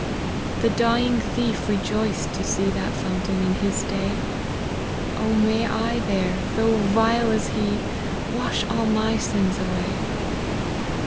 1 The dying thief rejoiced to see That fountain in his day ; O may [ there, though vile as he, Wash all my sins away